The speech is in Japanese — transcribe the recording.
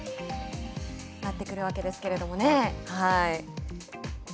なってくるわけですけれどもね。